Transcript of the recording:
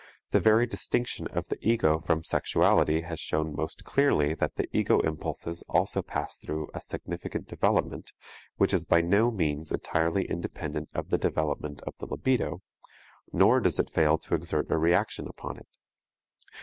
The very distinction of the ego from sexuality has shown most clearly that the ego impulses also pass through a significant development, which is by no means entirely independent of the development of the libido, nor does it fail to exert a reaction upon it.